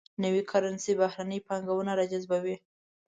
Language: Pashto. نوي کرنسي بهرنۍ پانګونه راجذبوي.